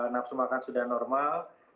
napsu makan sudah normal